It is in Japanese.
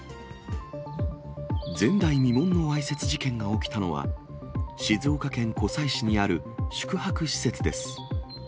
前代未聞のわいせつ事件が起きたのは、静岡県湖西市にある宿泊施設です。